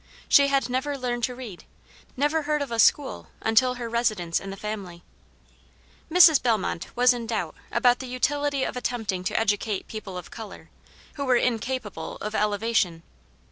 She had never learned to read, never heard of a school until her residence in the family. Mrs. Bellmont was in doubt about the utility of attempting to educate people of color, who were incapable of elevation.